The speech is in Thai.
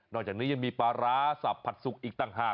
จากนี้ยังมีปลาร้าสับผัดสุกอีกต่างหาก